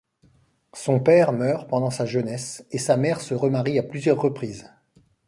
Son père meurt pendant sa jeunesse et sa mère se remarie à plusieurs reprises.